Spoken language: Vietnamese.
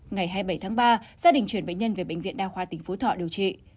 ngày hai mươi bảy tháng ba gia đình chuyển bệnh nhân về bệnh viện đa khoa tỉnh phú thọ điều trị